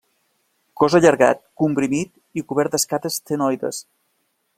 Cos allargat, comprimit i cobert d'escates ctenoides.